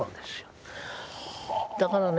だからね